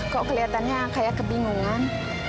kok kelihatannya kayak kebingungan